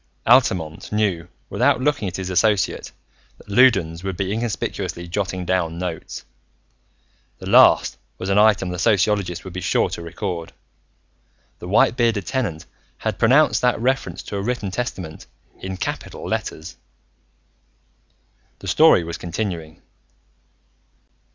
Altamont knew without looking at his associate that Loudons would be inconspicuously jotting down notes. The last was an item the sociologist would be sure to record: the white bearded Tenant had pronounced that reference to a written testament in capital letters. The story was continuing....